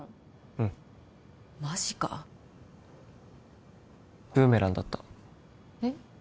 うんマジかブーメランだったえっ？